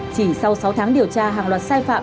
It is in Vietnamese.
chỉ sau sáu tháng điều tra hàng loạt sai phạm